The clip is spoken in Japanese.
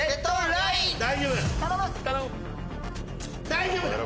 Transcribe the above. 大丈夫だ！